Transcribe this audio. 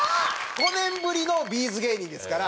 ５年ぶりのＢ’ｚ芸人ですから。